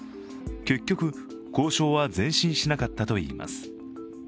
結局、交渉は前進しなかったといいます。